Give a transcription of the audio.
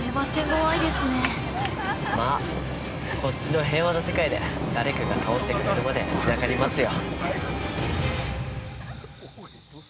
まあ、こっちの平和な世界で誰かが倒してくれるまで、気長に待つよ。